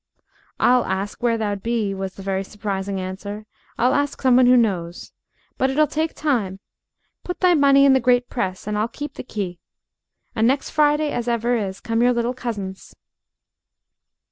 "I'll ask where thou'd be," was the very surprising answer. "I'll ask some one who knows. But it'll take time put thy money in the great press, and I'll keep the key. And next Friday as ever is, come your little cousins."